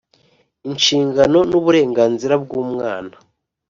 Inshingano n uburenganzira bw umwana